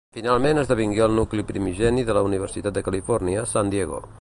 Finalment esdevingué el nucli primigeni de la Universitat de Califòrnia, San Diego.